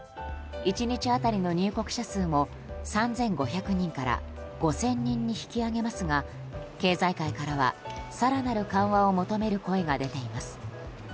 １日当たりの入国者数も３５００人から５０００人に引き上げますが経済界からは更なる緩和を求める声が出ています。